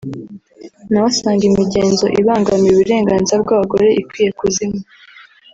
nawe asanga imigenzo ibangamira uburenganzira bw’abagore ikwiye kuzima